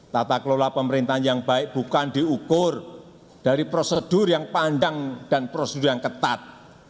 tata kelola pemerintahan yang baik bukan diukur dari prosedur yang pandang dan prosedur yang ketat